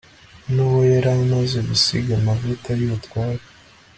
n'uwo yari amaze gusiga amavuta y'ubutware